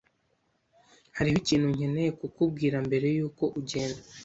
Hariho ikintu nkeneye kukubwira mbere yuko ugenda.